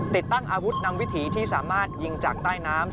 ติดตั้งอาวุธนำวิถีที่สามารถยิงจากใต้น้ำ